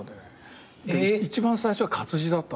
一番最初は活字だったんだよ。